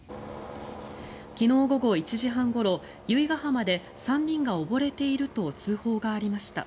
昨日午後１時半ごろ由比ガ浜で３人が溺れていると通報がありました。